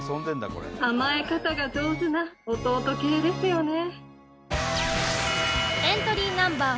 甘え方が上手な弟系ですよね